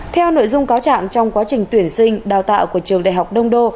theo nội dung cáo trạng trong quá trình tuyển sinh đào tạo của trường đại học đông đô